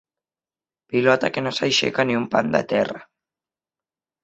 Pilota que no s'aixeca ni un pam de terra.